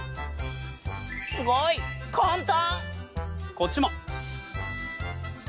こっちも。